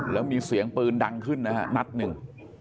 แล้วมีเสียงปืนดังขึ้นนะฮะนัดหนึ่ง